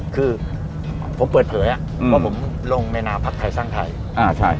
คือผมเปิดเผยว่าผมลงในนามพักไทยสร้างไทย